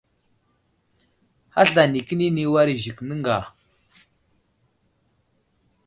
Hasla nikəni ni war i Zik nəŋga.